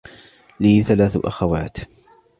لي ثلاث أخوات.